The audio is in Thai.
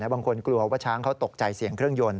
กลัวว่าช้างเขาตกใจเสี่ยงเครื่องยนต